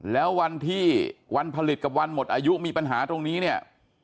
แล้ววันที่วันผลิตกับวันหมดอายุมีปัญหาตรงนี้เนี่ย